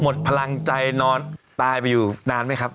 หมดพลังใจนอนตายไปอยู่นานไหมครับ